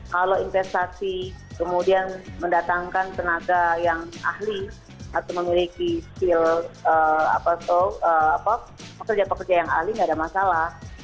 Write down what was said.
kalau investasi kemudian mendatangkan tenaga yang ahli atau memiliki skill pekerja pekerja yang ahli tidak ada masalah